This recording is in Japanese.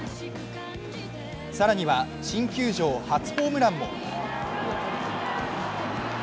更には新球場初ホームランも。